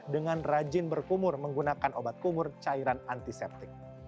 dengan rajin berkumur menggunakan obat kumur cairan antiseptik